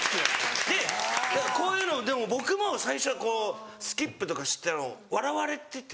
でこういうのでも僕も最初こうスキップとかしてたの笑われてて。